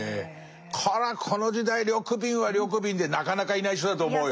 こりゃこの時代緑敏は緑敏でなかなかいない人だと思うよ。